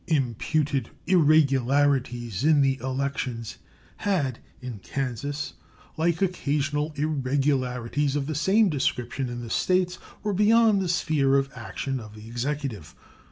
Imputed irregularities in the elections had in Kansas, like occasional irregularities of the same description in the States, were beyond the sphere of action of the Executive.